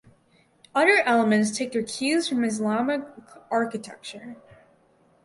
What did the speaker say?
Other elements take their cues from Islamic architecture.